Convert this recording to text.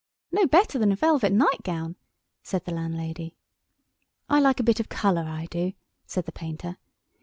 "No better than a velvet nightgown," said the landlady. "I like a bit of colour, I do," said the painter.